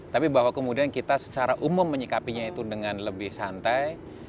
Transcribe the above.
tapi bahwa kemudian kita secara umum menyikapinya itu dengan lebih santai